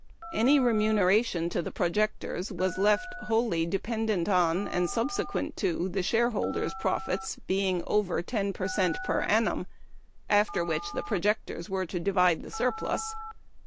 Any remuneration to the projectors was left wholly dependent on, and subsequent to, the shareholders' profits being over 10 per cent per annum, after which the projectors were to divide the surplus.